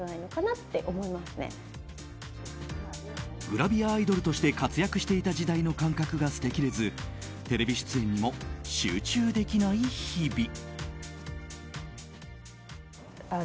グラビアアイドルとして活躍していた時代の感覚が捨てきれずテレビ出演にも集中できない日々。